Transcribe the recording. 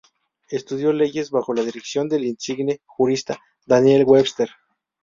Estudió leyes bajo la dirección del insigne jurista Daniel Webster.